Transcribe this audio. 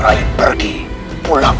saya akan menang